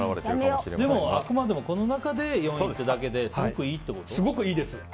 あくまでもこの中で４位ってだけですごくいいです。